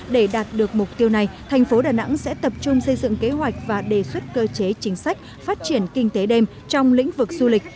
để đạt được mục tiêu này thành phố đà nẵng sẽ tập trung xây dựng kế hoạch và đề xuất cơ chế chính sách phát triển kinh tế đêm trong lĩnh vực du lịch